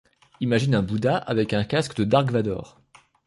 Imagine un bouddha avec un casque de Dark Vador.